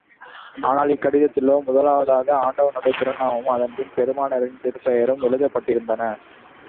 ஆனால், இக்கடிதத்திலோ, முதலாவதாக, ஆண்டவனுடைய திருநாமமும், அதன் பின் பெருமானாரின் திருப்பெயரும் எழுதப்பட்டிருந்தன.